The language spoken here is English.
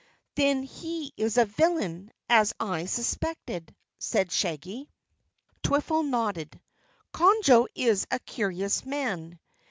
"Then he is a villain, as I suspected," said Shaggy. Twiffle nodded. "Conjo is a curious man.